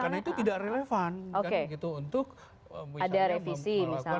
karena itu tidak relevan untuk misalnya melakukan revisi